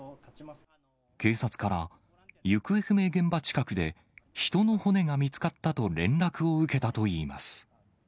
警察から行方不明現場近くで、人の骨が見つかったと連絡を受けたといいます。